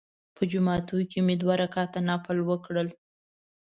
په جومات کې مې دوه رکعته نفل وکړل.